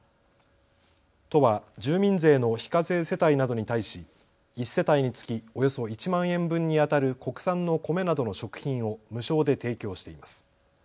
都は住民税の非課税世帯などに対し、１世帯につきおよそ１万円分にあたる国産の米などの食品を無償で提供しています。